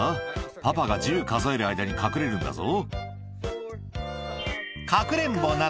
パパが１０数える間に隠れるんだぞ」